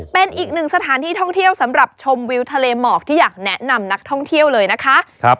เป็นอีกหนึ่งสถานที่ท่องเที่ยวสำหรับชมวิวทะเลหมอกที่อยากแนะนำนักท่องเที่ยวเลยนะคะ